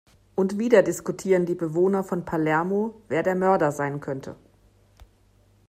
Und wieder diskutieren die Bewohner von Palermo, wer der Mörder sein könnte.